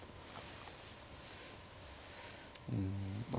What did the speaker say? うんまあ